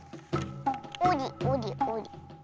おりおりおり。